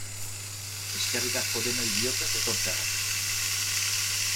Eskerrik asko denoi bihotzez etortzeagatik!